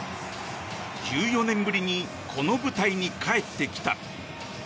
１４年ぶりにこの舞台に帰ってきた。